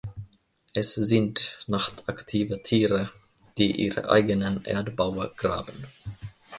Es sind nachtaktive Tiere, die ihre eigenen Erdbaue graben.